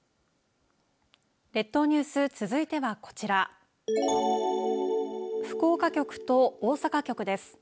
列島ニュース続いてはこちら福岡局と大阪局です。